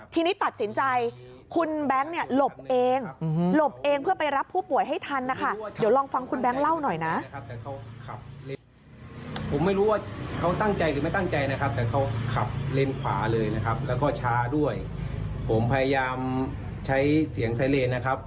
ทีนี้ตัดสินใจคุณแบงค์เนี่ยหลบเองหลบเองเพื่อไปรับผู้ป่วยให้ทันนะคะเดี๋ยวลองฟังคุณแบงค์เล่าหน่อยนะ